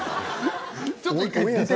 ちょっと１回、出て。